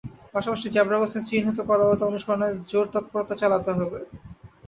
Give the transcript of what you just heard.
পাশাপাশি zebra crossing চিহ্নিত করা ও তা অনুসরণের জোর তৎপরতা চালাতে হবে।